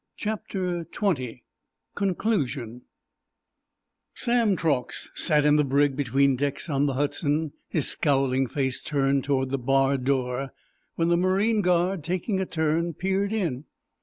CHAPTER XX: CONCLUSION Sam Truax sat in the brig, between decks on the "Hudson," his scowling face turned toward the barred door, when the marine guard, taking a turn, peered in.